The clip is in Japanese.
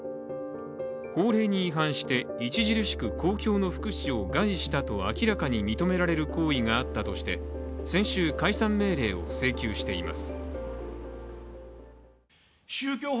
法令に違反して著しく公共の福祉を害したと明らかに認められる行為があったとして先週、解散命令を請求しています。